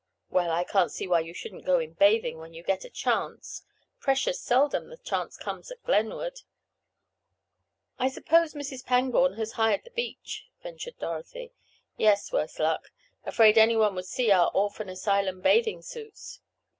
"Well, I can't see why you shouldn't go in bathing when you get a chance. Precious seldom the chance comes at Glenwood." "I suppose Mrs. Pangborn has hired the beach," ventured Dorothy. "Yes, worse luck. Afraid any one would see our orphan asylum bathing suits."